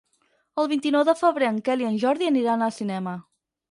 El vint-i-nou de febrer en Quel i en Jordi aniran al cinema.